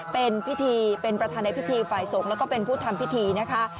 เป็นพิธีเป็นประธานในพิธีฝ่ายสงฆ์แล้วก็เป็นผู้ทำพิธีนะคะ